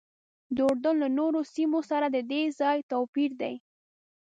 د اردن له نورو سیمو سره ددې ځای توپیر دی.